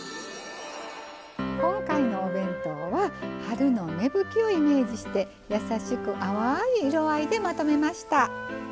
今回のお弁当は春の芽吹きをイメージして優しく淡い色合いでまとめました。